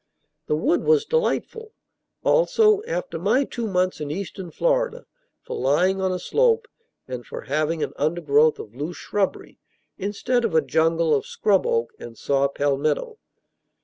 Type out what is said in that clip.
The wood was delightful, also, after my two months in eastern Florida, for lying on a slope, and for having an undergrowth of loose shrubbery instead of a jungle of scrub oak and saw palmetto.